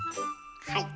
はい。